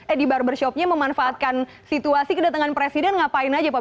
eh di barbershopnya memanfaatkan situasi kedatangan presiden ngapain aja pak